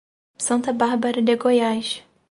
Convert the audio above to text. Santa Bárbara de Goiás